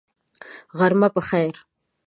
غرمه په خیر !